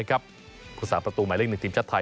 ผู้สาประตูหมายเลข๑ทีมชาติไทย